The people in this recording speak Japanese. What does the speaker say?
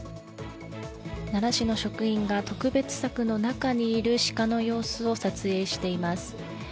奈良市の職員が特別柵の中にいる鹿の様子を撮影しています。